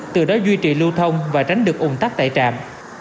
từ đó duy trì lưu thông và tránh được ủng tắc tại trạm